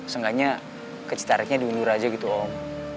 seenggaknya kecitarannya diundur aja gitu om